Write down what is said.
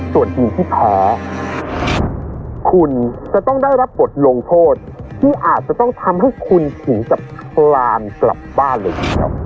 ส่วนทีมที่แพ้คุณจะต้องได้รับบทลงโทษที่อาจจะต้องทำให้คุณถึงกับคลานกลับบ้านเลยทีเดียว